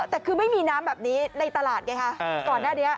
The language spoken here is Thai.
แต่คือไม่มีน้ำแบบนี้ในตลาดไงคะก่อนหน้านี้